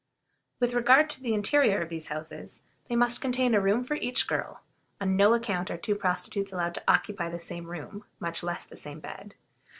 With regard to the interior of these houses, they must contain a room for each girl; on no account are two prostitutes allowed to occupy the same room, much less the same bed.